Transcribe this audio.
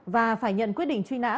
và phải nhận quyết định truy nã